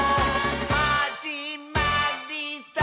「はじまりさー」